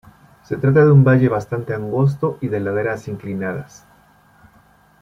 Se trata de un valle bastante angosto y de laderas inclinadas.